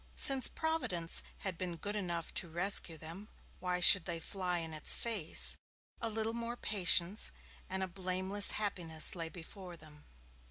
Since Providence had been good enough to rescue them, why should they fly in its face? A little patience, and a blameless happiness lay before them.